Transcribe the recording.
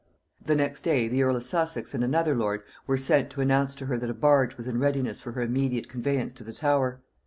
The next day, the earl of Sussex and another lord were sent to announce to her that a barge was in readiness for her immediate conveyance to the Tower.